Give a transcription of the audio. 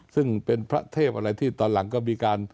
ซึ่งเป็นพระเทพอะไรที่ตอนหลังก็มีการ